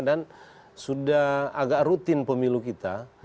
dan sudah agak rutin pemilu kita